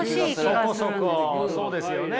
そこそこそうですよね。